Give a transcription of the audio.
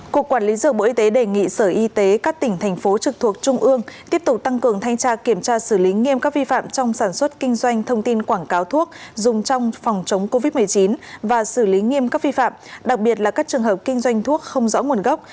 cục quản lý dược bộ y tế đề nghị sở y tế các tỉnh thành phố trực thuộc trung ương tiếp tục tăng cường thanh tra kiểm tra xử lý nghiêm các vi phạm trong sản xuất kinh doanh thông tin quảng cáo thuốc dùng trong phòng chống covid một mươi chín và xử lý nghiêm các vi phạm đặc biệt là các trường hợp kinh doanh thuốc không rõ nguồn gốc